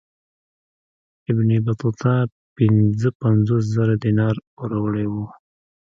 ابن بطوطه پنځه پنځوس زره دیناره پوروړی وو.